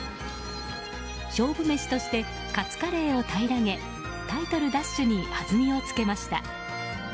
勝負メシとしてカツカレーを平らげタイトル奪取に弾みを付けました。